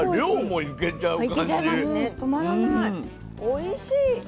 おいしい。